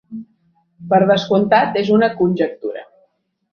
Per descomptat, és una conjectura.